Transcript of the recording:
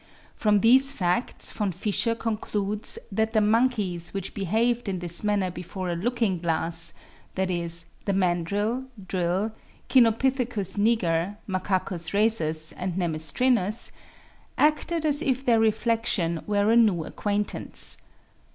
From these facts Von Fischer concludes that the monkeys which behaved in this manner before a looking glass (viz., the mandrill, drill, Cynopithecus niger, Macacus rhesus and nemestrinus) acted as if their reflection were a new acquaintance.